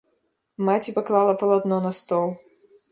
Маці паклала палатно на стол.